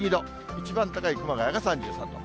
一番高い熊谷が３３度。